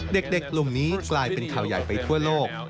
เด็กกลุ่มนี้กลายเป็นข่าวใหญ่ไปทั่วโลก